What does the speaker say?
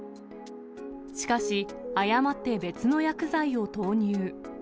しかし、誤って別の薬剤を投入。